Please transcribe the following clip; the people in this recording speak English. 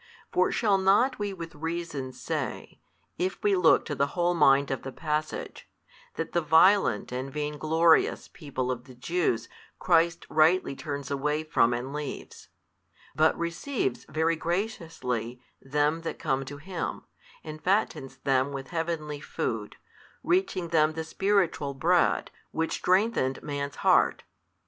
For shall we not with reason say, if |327 we look to the whole mind of the passage, that the violent and vainglorious people of the Jews Christ rightly turns away from and leaves: but receives very graciously them that come to Him, and fattens them with heavenly Food, reaching them the Spiritual Bread, which strengthened man's heart?